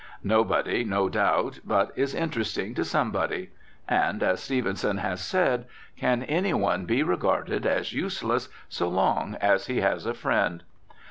Nobody, no doubt, but is interesting to somebody. And, as Stevenson has said, can any one be regarded as useless so long as he has a friend?